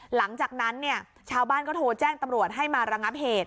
หลังจากนั้นเนี่ยชาวบ้านก็โทรแจ้งตำรวจให้มาระงับเหตุ